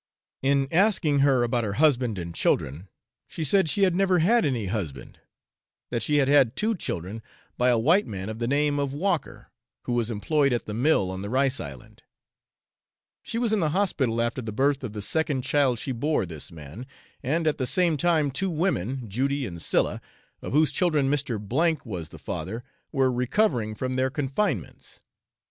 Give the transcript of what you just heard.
In asking her about her husband and children, she said she had never had any husband, that she had had two children by a white man of the name of Walker, who was employed at the mill on the rice island; she was in the hospital after the birth of the second child she bore this man, and at the same time two women, Judy and Sylla, of whose children Mr. K was the father, were recovering from their confinements.